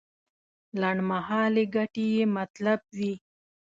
لنډمهالې ګټې یې مطلب وي.